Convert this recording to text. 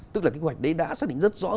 tức là kế hoạch đấy đã xác định rất rõ